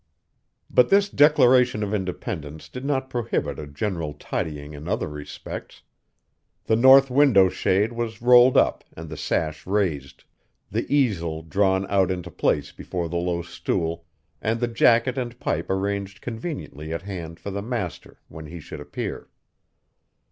But this declaration of independence did not prohibit a general tidying in other respects. The north window shade was rolled up and the sash raised; the easel drawn out into place before the low stool; and the jacket and pipe arranged conveniently at hand for the master when he should appear.